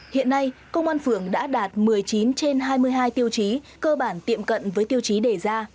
hiện nay công an phường đã đạt một mươi chín trên hai mươi hai tiêu chí cơ bản tiệm cận với tiêu chí đề ra